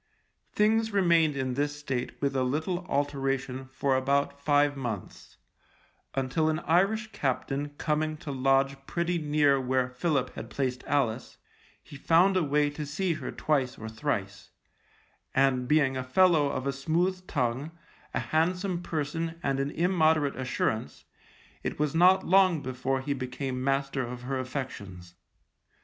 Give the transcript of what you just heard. Things remained in this state with a little alteration for about five months, until an Irish captain coming to lodge pretty near where Philip had placed Alice, he found a way to see her twice or thrice, and being a fellow of a smooth tongue, a handsome person and an immoderate assurance, it was not long before he became master of her affections.